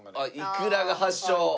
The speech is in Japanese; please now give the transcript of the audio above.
イクラが発祥。